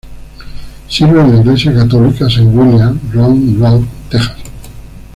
Sirve en la Iglesia Católica Saint William, Round Rock, Texas.